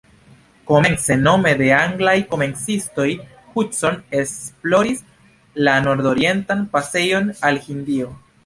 Komence, nome de anglaj komercistoj, Hudson esploris la nordorientan pasejon al Hindio.